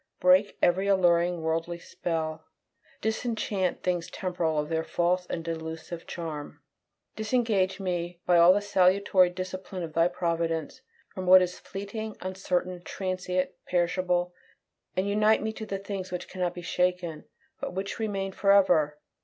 Break every alluring worldly spell; disenchant things temporal of their false and delusive charm; disengage me by all the salutary discipline of Thy providence from what is fleeting, uncertain, transient, perishable; and unite me to the things which cannot be shaken, but which remain forever!